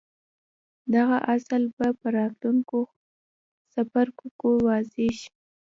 دغه اصل به په راتلونکو څپرکو کې واضح شي.